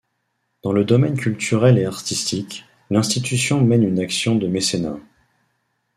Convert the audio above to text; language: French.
Dans le domaine culturel et artistique, l'institution mène une action de mécénat.